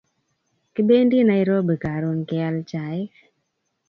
Kibendi Narobi karun keyal chaik.